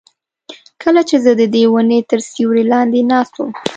کله چې زه ددې ونې تر سیوري لاندې ناست وم.